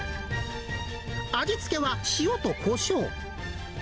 味付けは塩とこしょう。